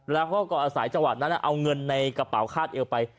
แล้วเขาก็อาศัยจังหวัดนั้นเอาเงินในกระเป๋าคาดเอวไป